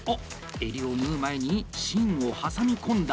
襟を縫う前に芯を挟み込んだ！